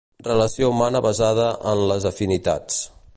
Relació humana basada en les afinitats.